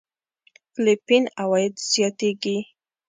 فېليپين عوايد زياتېږي.